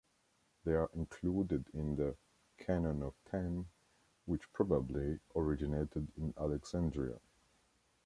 They are included in the "Canon of Ten", which probably originated in Alexandria.